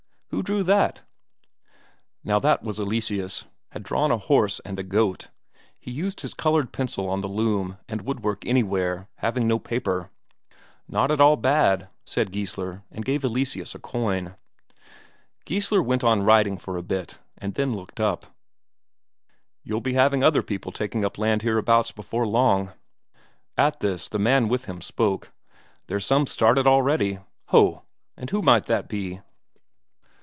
"Who drew that?" Now that was Eleseus, had drawn a horse and a goat; he used his coloured pencil on the loom and woodwork anywhere, having no paper. "Not at all bad," said Geissler, and gave Eleseus a coin. Geissler went on writing for a bit, and then looked up. "You'll be having other people taking up land hereabouts before long." At this the man with him spoke: "There's some started already." "Ho! And who might that be?"